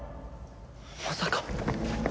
まさか！